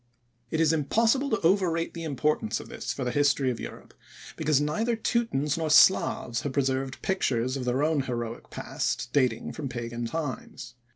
It is impossible to overrate the importance of this for the history of Europe, because neither Teutons nor Slavs have preserved pictures of their own heroic past, dating from pagan times.